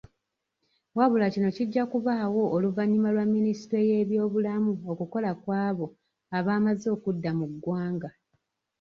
Wabula kino kijja kubaawo oluvannyuma lwa minisitule y'ebyobulamu okukola kw'abo abaamaze okudda mu ggwanga.